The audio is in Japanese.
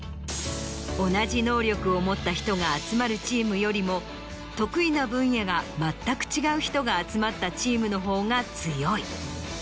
同じ能力を持った人が集まるチームよりも得意な分野が全く違う人が集まったチームのほうが強い。